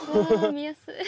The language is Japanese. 見やすい。